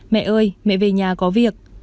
mẹ ơi mẹ về nhà có việc